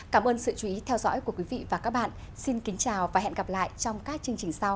cảm ơn sự chú ý theo dõi của quý vị và các bạn xin kính chào và hẹn gặp lại trong các chương trình sau